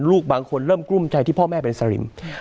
บางคนเริ่มกลุ้มใจที่พ่อแม่เป็นสลิม